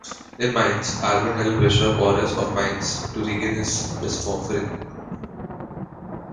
In Mainz, Alban helped bishop Aureus of Mainz to regain his bishopric.